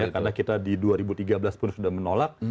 karena kita di dua ribu tiga belas pun sudah menolak